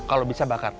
kalau bisa bakar